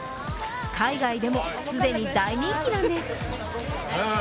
海外でも既に大人気なんです。